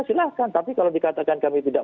silahkan tapi kalau dikatakan kami tidak